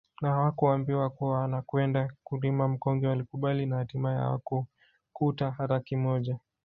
Na hawakuambiwa kuwa wanakwenda kulima mkonge walikubali na hatimaye hawakukuta hata kimoja